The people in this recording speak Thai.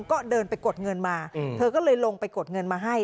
ก็เดินไปกดเงินมาเธอก็เลยลงไปกดเงินมาให้